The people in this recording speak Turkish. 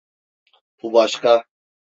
Bu başka!